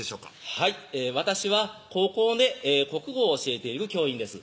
はい私は高校で国語を教えている教員です